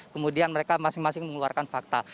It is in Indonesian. kemudian mereka masing masing mengeluarkan fakta